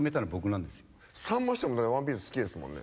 さんま師匠も『ワンピース』好きですもんね。